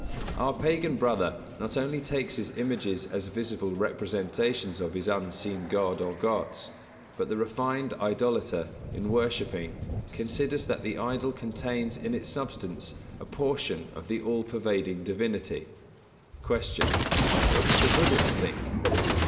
Our Pagan brother not only takes his images as visible representations of his unseen God or gods, but the refined idolater, in worshipping, considers that the idol contains in its substance a portion of the all pervading divinity. 182. Q. _What does the Buddhist think?